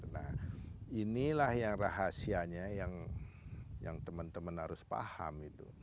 nah inilah yang rahasianya yang teman teman harus paham itu